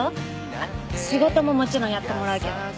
あっ仕事ももちろんやってもらうけど。